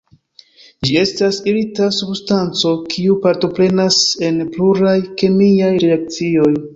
Ĝi estas irita substanco kiu partoprenas en pluraj kemiaj reakcioj.